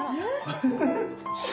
フフフフ！